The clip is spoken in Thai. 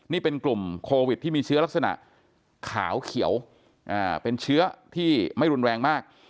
นี่เป็นกลุ่มโควิดที่มีเชื้อลักษณะขาวเขียวเป็นเชื้อที่ไม่รุนแรงมาก